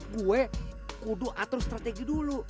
gue udah atur strategi dulu